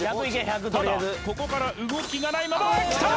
ただここから動きがないきた！